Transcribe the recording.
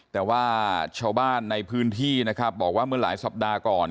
แต่ว่าชาวบ้านในพื้นที่นะครับบอกว่าเมื่อหลายสัปดาห์ก่อน